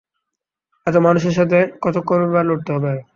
এত মানুষের সাথে কতক্ষণই বা লড়তে পারে।